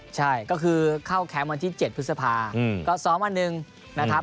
ใช่ก็คือเข้าแคมป์วันที่๗พฤษภาก็ซ้อมวันหนึ่งนะครับ